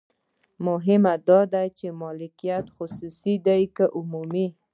مهمه دا ده چې مالکیت خصوصي دی که عمومي.